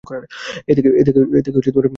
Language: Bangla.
এ থেকে কী শিখলি তুই?